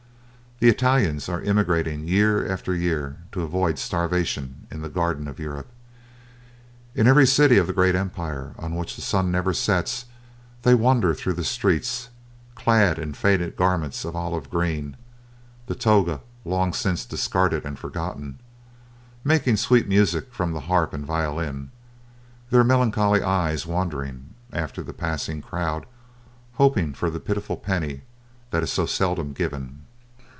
The Italians are emigrating year after year to avoid starvation in the Garden of Europe. In every city of the great empire on which the sun never sets they wander through the streets, clad in faded garments of olive green the toga long since discarded and forgotten making sweet music from the harp and violin, their melancholy eyes wandering after the passing crowd, hoping for the pitiful penny that is so seldom given.